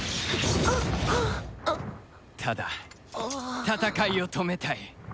ただ戦いを止めたい。